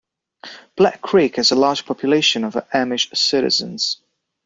Black Creek has a large population of Amish citizens.